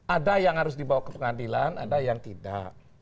ada yang harus dibawa ke pengadilan ada yang tidak